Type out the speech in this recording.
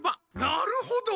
なるほど！